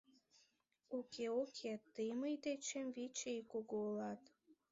Уке, уке, тый мый дечем вич ий кугу улат.